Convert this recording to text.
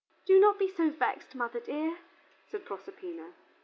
"Do not be so vexed, mother dear," said Proserpina.